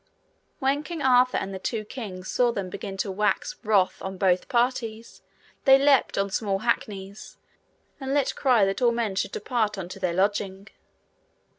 When King Arthur and the two kings saw them begin to wax wroth on both parties, they leapt on small hackneys, and let cry that all men should depart unto their lodging.